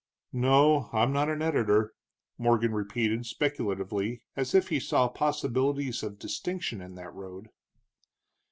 "No, I'm not an editor," Morgan repeated, speculatively, as if he saw possibilities of distinction in that road.